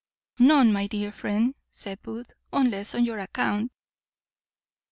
"None, my dear friend," said Booth, "unless on your account."